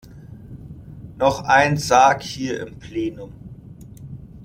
Noch ein Sarg hier im Plenum!